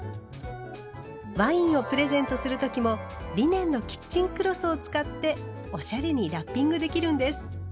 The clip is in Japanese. ワインをプレゼントする時もリネンのキッチンクロスを使っておしゃれにラッピングできるんです。